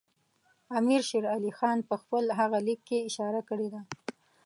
امیر شېر علي خان په خپل هغه لیک کې اشاره کړې ده.